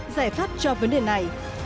giải pháp cho vấn đề này